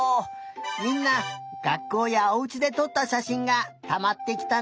みんながっこうやおうちでとったしゃしんがたまってきたね。